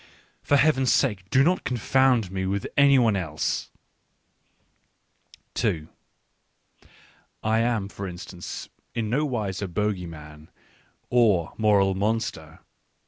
For Heaven's sake do not confound me with any one else / 2 I am, for instance, in no wise a bogey man, or moral monster.